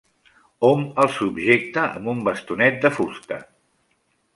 Hom el subjecta amb un bastonet de fusta.